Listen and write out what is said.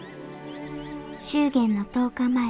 祝言の１０日前。